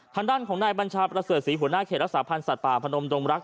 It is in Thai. ทางด้านของนายบัญชาประเสริฐศรีหัวหน้าเขตรักษาพันธ์สัตว์ป่าพนมดงรัก